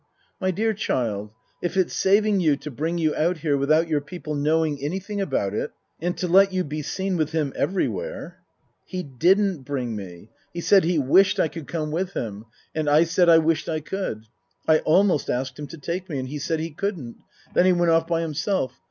" My dear child, if it's saving you to bring you out here without your people knowing anything about it, and to let you be seen with him everywhere "" He didn't bring me. He said he wished I could come with him. And I said I wished I could. I almost asked him to take me ; and he said he couldn't. Then he went off by himself.